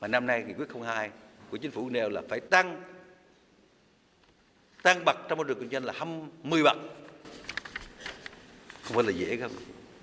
năm nay nghị quyết hai của chính phủ nêu là phải tăng bậc trong môi trường kinh doanh là hai mươi bậc